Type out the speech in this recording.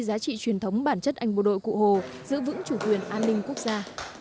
giá trị truyền thống bản chất anh bộ đội cụ hồ giữ vững chủ quyền an ninh quốc gia